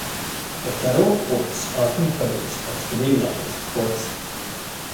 The federal courts are composed of three levels of courts.